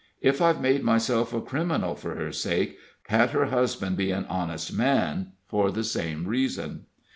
If I've made myself a criminal for her sake: can't her husband be an honest man for the same reason?"